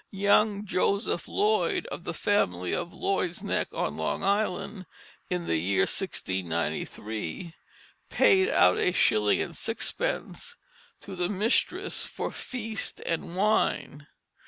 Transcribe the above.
Young Joseph Lloyd (of the family of Lloyds Neck on Long Island), in the year 1693, paid out a shilling and sixpence "to the Mistris for feast and wine."